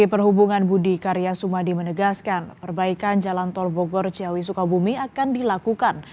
menteri perhubungan budi karya sumadi menegaskan perbaikan jalan tol bogor ciawi sukabumi akan dilakukan